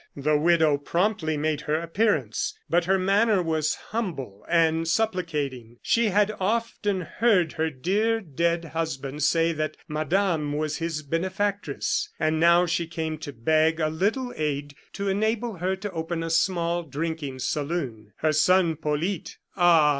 The widow promptly made her appearance; but her manner was humble and supplicating. She had often heard her dear, dead husband say that madame was his benefactress, and now she came to beg a little aid to enable her to open a small drinking saloon. Her son Polyte ah!